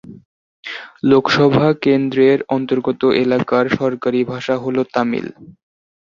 লোকসভা কেন্দ্রের অন্তর্গত এলাকার সরকারি ভাষা হল তামিল।